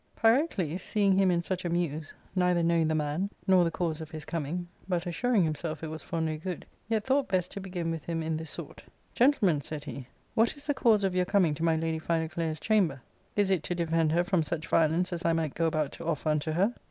Pyrocles seeing him in such a muse, neither knowing the man, nor the cause of his coming, but assuring himself it was for no good, yet thought best to begin with him in this sort :Gentleman," said he, what is the cause of your coming to my lady Philoclea's chamber ? Is it to defend her from such violence as I might go about to offer unto her